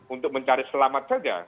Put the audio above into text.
untuk mencari selamat saja